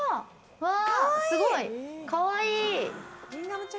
すごい、かわいい。